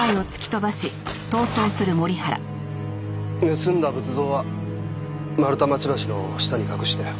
盗んだ仏像は丸太町橋の下に隠したよ。